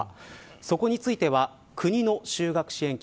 そこについては、国の就学支援金